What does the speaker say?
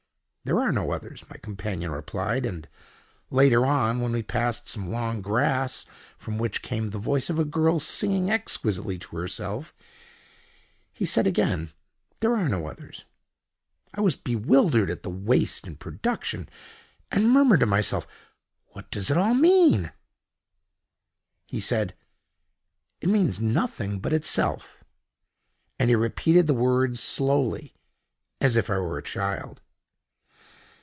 "There are no others," my companion replied; and, later on, when we passed some long grass from which came the voice of a girl singing exquisitely to herself, he said again: "There are no others." I was bewildered at the waste in production, and murmured to myself, "What does it all mean?" He said: "It means nothing but itself"—and he repeated the words slowly, as if I were a child.